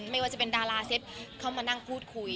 ไม่ว่าจะเป็นดาราเซฟเข้ามานั่งพูดคุย